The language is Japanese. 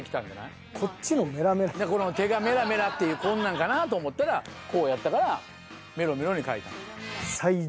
手がメラメラっていうこんなんかなと思ったらこうやったからメロメロに変えたんよ。